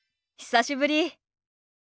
久しぶり。